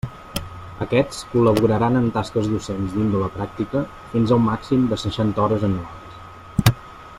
Aquests col·laboraran en tasques docents d'índole pràctica fins a un màxim de seixanta hores anuals.